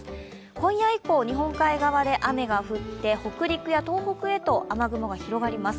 今夜以降、日本海側で雨が降って北陸や東北へと雨雲が広がります。